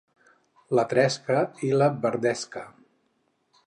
La tresca i la verdesca.